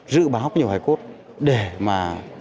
giữ báo có nhiều hải cốt để mà